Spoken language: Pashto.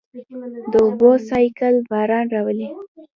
د اوبو سائیکل باران راولي.